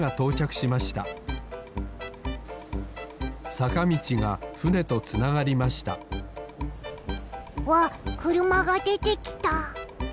さかみちがふねとつながりましたわっくるまがでてきた。